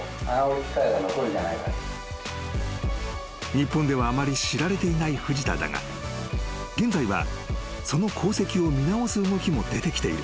［日本ではあまり知られていない藤田だが現在はその功績を見直す動きも出てきている］